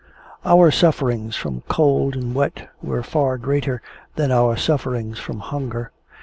Our sufferings from cold and wet were far greater than our sufferings from hunger.